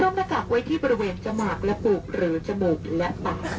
คล้มหน้ากากไว้ที่บริเวณจมับและปูบหรือจมูกและตับ